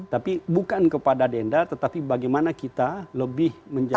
tapi bukan kepada denda tetapi bagaimana kita lebih menjaga